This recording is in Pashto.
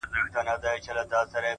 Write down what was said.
د دوامداره هڅې ځواک ناممکن ماتوي’